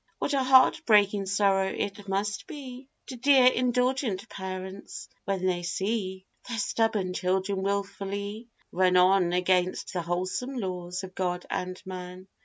What a heart breaking sorrow it must be, To dear indulgent parents, when they see Their stubborn children wilfully run on Against the wholesome laws of God and man!